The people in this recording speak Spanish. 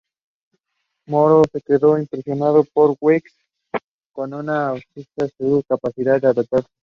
Monro se quedó impresionado por Weeks con su astucia y su capacidad para adaptarse.